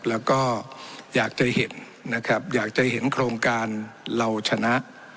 แล้วก็อยากจะเห็นนะครับอยากจะเห็นโครงการเราชนะ